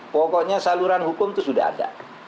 pokoknya saluran hukum itu sudah ada